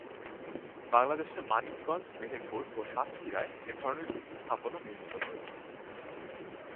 বাংলাদেশে মানিকগঞ্জ, মেহেরপুর ও সাতক্ষীরায় এধরনের কিছু স্থাপনা নির্মিত হয়েছে।